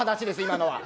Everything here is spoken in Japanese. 今のは。